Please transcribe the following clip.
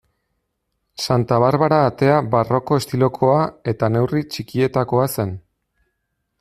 Santa Barbara Atea barroko estilokoa eta neurri txikietakoa zen.